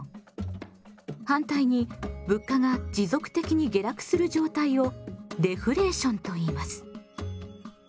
反対に物価が持続的に下落する状態をデフレーションといいます。